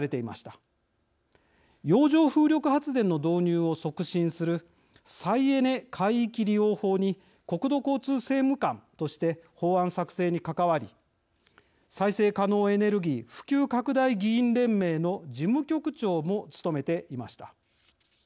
洋上風力発電の導入を促進する再エネ海域利用法に国土交通政務官として法案作成に関わり再生可能エネルギー普及拡大議員連盟の事務局長も務めていました。